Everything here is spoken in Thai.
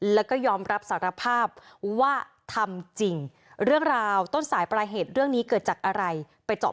แล้วก็ยอมรับสารภาพว่าทำจริงเรื่องราวต้นสายปลายเหตุเรื่องนี้เกิดจากอะไรไปเจาะ